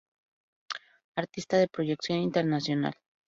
Artista de proyección internacional.